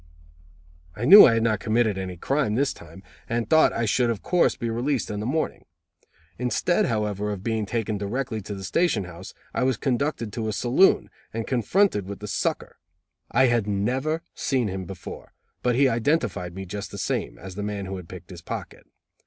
I knew I had not committed any crime this time and thought I should of course be released in the morning. Instead however of being taken directly to the station house, I was conducted to a saloon, and confronted with the "sucker". I had never seen him before, but he identified me, just the same, as the man who had picked his pocket.